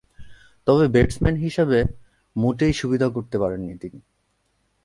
তবে, ব্যাটসম্যান হিসেবে মোটেই সুবিধা করতে পারেননি তিনি।